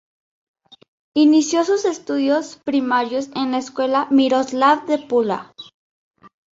Inició sus estudios primarios en la escuela Miroslav de Pula.